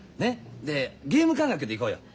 でゲーム感覚でいこうよ。